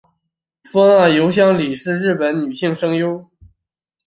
峰岸由香里是日本女性声优。